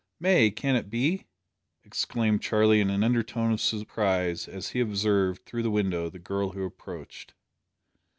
"May! Can it be?" exclaimed Charlie in an undertone of surprise as he observed, through the window, the girl who approached.